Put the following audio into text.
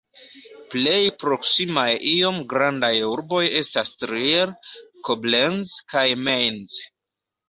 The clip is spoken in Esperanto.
Plej proksimaj iom grandaj urboj estas Trier, Koblenz kaj Mainz.